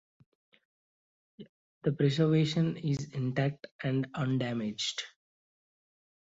The preservation is intact and undamaged.